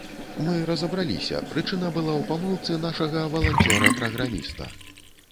Мы разабраліся: прычына была ў памылцы нашага валанцёра-праграміста.